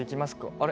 あれ？